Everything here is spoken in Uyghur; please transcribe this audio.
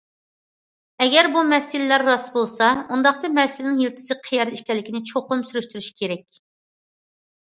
ئەگەر بۇ مەسىلىلەر راست بولسا، ئۇنداقتا مەسىلىنىڭ يىلتىزى قەيەردە ئىكەنلىكىنى چوقۇم سۈرۈشتۈرۈش كېرەك.